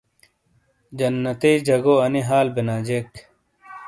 جنتئے جگو انے ہال بینا جیک